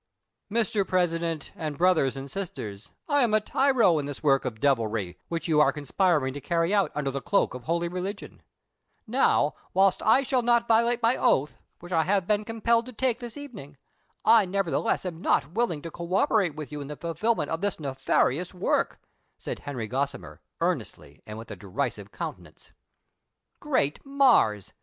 '■'■ Mr. President, and brothers and sisters, I am a tyro in this work of deviltry, which yon are conspiring to carry out under the cloak of holy religion ; now, Avliilst I shall not violate my oath, which I have been compelled to take this evening, I nevertheless am not willing to co operate with you in the fulfilment of this nefarious work," said Harry Gossimer, earnestly and with a derisive countenance. " Great Mars